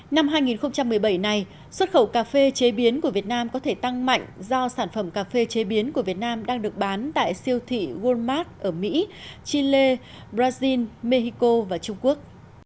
năm hai nghìn một mươi bảy này xuất khẩu cà phê chế biến của việt nam có thể tăng mạnh do sản phẩm cà phê chế biến của việt nam đang được bán tại siêu thị walmart ở mỹ chile brazil mexico và trung quốc